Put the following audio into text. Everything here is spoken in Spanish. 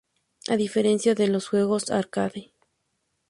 A diferencia de los juegos arcade.